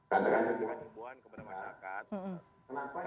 memberikan pertandaan kebutuhan kepada masyarakat